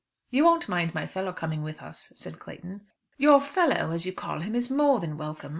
"You won't mind my fellow coming with us?" said Captain Clayton. "'Your fellow,' as you call him, is more than welcome.